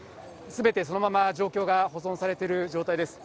すべてそのまま状況が保存されている状態です。